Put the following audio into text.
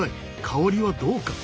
香りはどうか？